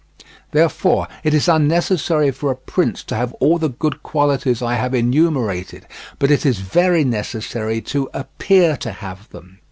Therefore it is unnecessary for a prince to have all the good qualities I have enumerated, but it is very necessary to appear to have them.